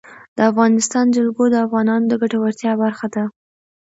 د افغانستان جلکو د افغانانو د ګټورتیا برخه ده.